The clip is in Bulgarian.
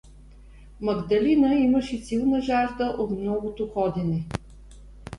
Магдалина имаше силна жажда от многото ходене.